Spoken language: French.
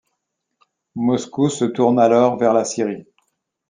Moscou se tourne alors vers la Syrie.